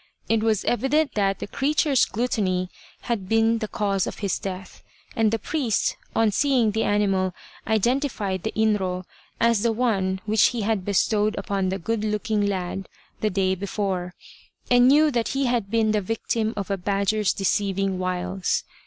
It was evident that the creature's gluttony had been the cause of his death, and the priest, on see ing the animal, identified the inro as the one which he had bestowed upon the good looking lad the day 277 The Badger Haunted Temple before, and knew that he had been the victim of a badger's deceiving wiles.